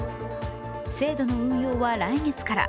制度の運用は来月から。